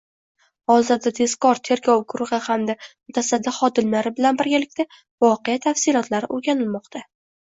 Hozirda tezkor tergov guruhi hamda mutasaddi xodimlari bilan birgalikda voqea tafsilotlari o‘rganilmoqda